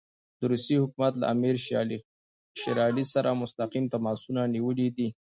د روسیې حکومت له امیر شېر علي سره مستقیم تماسونه نیولي دي.